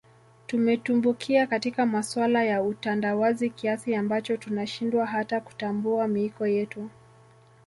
Tumetumbukia katika masuala ya utandawazi kiasi ambacho tunashindwa hata kutambua miiko yetu